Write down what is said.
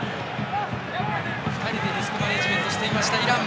２人でリスクマネジメントしていましたイラン。